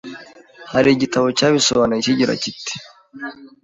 Hari igitabo cyabisobanuye kigira kiti ‘